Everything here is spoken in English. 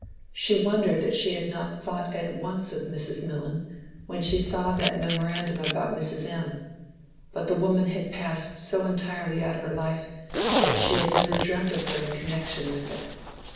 She wondered that she had not thought at once of Mrs. Millon when she saw that memorandum about Mrs. M.; but the woman had passed so entirely out of her life, that she had never dreamt of her in connection with it.